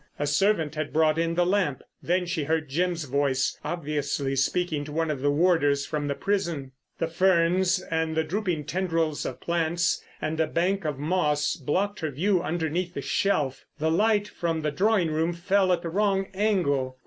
A servant had brought in the lamp. Then she heard Jim's voice, obviously speaking to one of the warders from the prison. The ferns and the drooping tendrils of plants and a bank of moss blocked her view underneath the shelf; the light from the drawing room fell at the wrong angle.